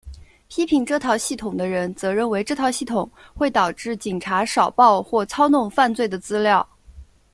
批评这套系统的人则认为这套系统会导致警察少报或操弄犯罪的资料。